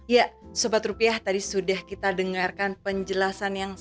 ya sebat rupiah tadi sudah kita dengarkan penjelasan yang sama